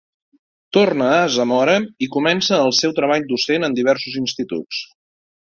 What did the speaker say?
Torna a Zamora i comença el seu treball docent en diversos instituts.